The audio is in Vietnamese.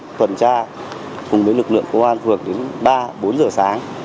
các bác tham gia cùng với lực lượng công an phường đến ba bốn giờ sáng